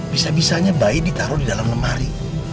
bisa bisanya bayi ditaruh di dalam lemari